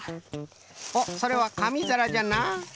おっそれはかみざらじゃな。